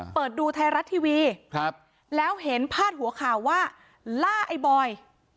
เปิดดูไทยรัฐทีวีแล้วเห็นพาดหัวข่าวว่าล่าไอ้บอย